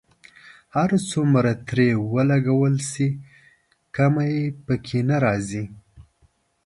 هر څومره ترې ولګول شي کمی په کې نه راځي.